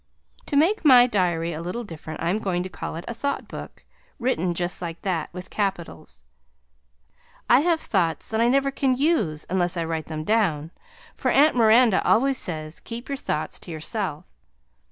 To make my diary a little different I am going to call it a THOUGHT Book (written just like that, with capitals). I have thoughts that I never can use unless I write them down, for Aunt Miranda always says, Keep your thoughts to yourself.